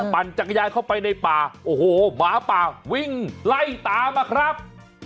ปั่นจักรยานเข้าไปในป่าโอ้โหหมาป่าวิ่งไล่ตามมาครับ